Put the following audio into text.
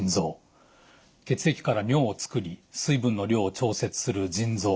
血液から尿を作り水分の量を調節する腎臓。